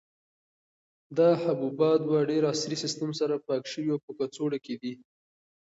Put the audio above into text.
دا حبوبات په ډېر عصري سیسټم سره پاک شوي او په کڅوړو کې دي.